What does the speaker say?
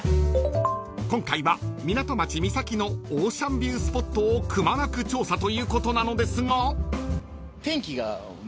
［今回は港町三崎のオーシャンビュースポットをくまなく調査ということなのですが］